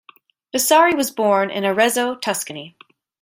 Vasari was born in Arezzo, Tuscany.